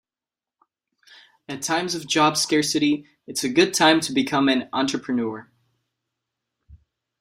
At times of job scarcity, it's a good time to become an entrepreneur..